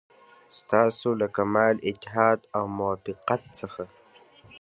ستاسو له کمال اتحاد او موافقت څخه.